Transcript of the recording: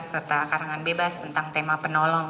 serta karangan bebas tentang tema penolong